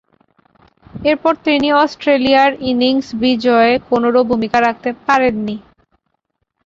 এরপর তিনি অস্ট্রেলিয়ার ইনিংস বিজয়ে কোনরূপ ভূমিকা রাখতে পারেননি।